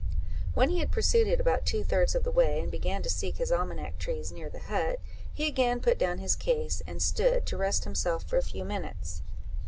When he had proceeded about two thirds of the way, and began to seek his almanack trees near the hut, he again put down his case, and stood to rest himself for a few minutes.